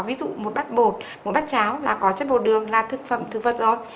ví dụ một bát bột một bát cháo là có chất bột đường là thực phẩm thực vật rồi